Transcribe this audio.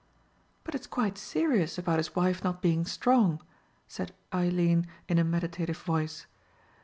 "But it's quite serious about his wife not being strong," said Eileen in a meditative voice.